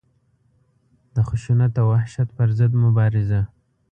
د خشونت او وحشت پر ضد مبارزه.